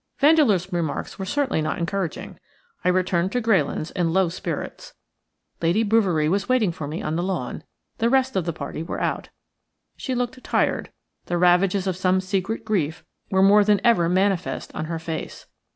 Vandeleur's remarks were certainly not encouraging. I returned to Greylands in low spirits. Lady Bouverie was waiting for me on the lawn; the rest of the party were out. She looked tired; the ravages of some secret grief were more than ever manifest on her face.